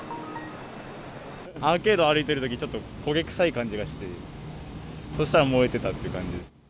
アーケード歩いてるとき、ちょっと焦げ臭い感じがして、そしたら燃えてたって感じです。